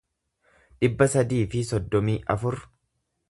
dhibba sadii fi soddomii afur